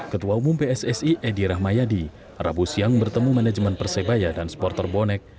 ketua umum pssi edi rahmayadi rabu siang bertemu manajemen persebaya dan supporter bonek